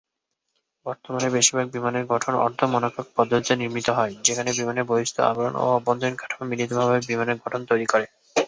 বর্তমানে বেশিরভাগ বিমানের গঠন অর্ধ-মনাকক পদ্ধতিতে নির্মিত হয়, যেখানে বিমানের বহিঃস্থ আবরণ ও অভ্যন্তরীণ কাঠামো মিলিতভাবে বিমানের গঠন তৈরী করে।